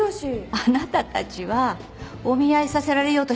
あなたたちはお見合いさせられようとしてるのよ。